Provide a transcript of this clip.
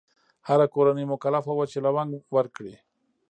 هره کورنۍ مکلفه وه چې لونګ ورکړي.